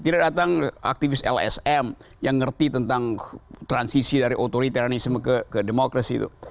tidak datang aktivis lsm yang ngerti tentang transisi dari authoritarianisme ke demokrasi itu